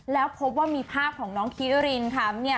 แล้วพบว่ามีภาพของน้องคิรินค่ะ